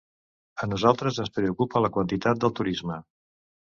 A nosaltres ens preocupa la quantitat del turisme.